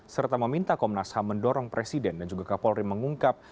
serta meminta komnas ham mendorong presiden dan juga kapolri mengungkap